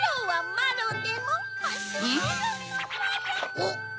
おっ！